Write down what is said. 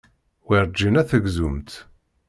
Werǧin ad tegzumt.